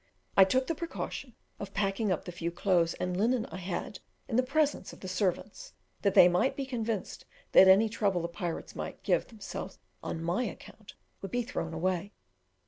I took the precaution of packing up the few clothes and linen I had in the presence of the servants, that they might be convinced that any trouble the pirates might give themselves on my account would be thrown away.